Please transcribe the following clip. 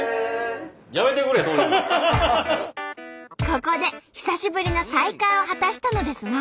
ここで久しぶりの再会を果たしたのですが。